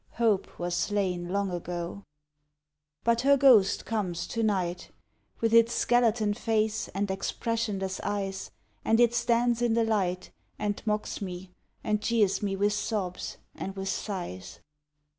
Hope was slain long ago. But her ghost comes to night, With its skeleton face and expressionless eyes, And it stands in the light, And mocks me, and jeers me with sobs and with sighs.